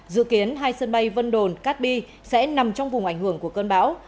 dự kiến hai sân bay vân đồn cát bi sẽ nằm trong vùng ảnh hưởng của cơn bão